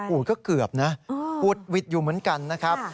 ก็เกือบนะอุดหวิดอยู่เหมือนกันนะครับ